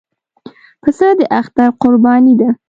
پسه د اختر قرباني ده.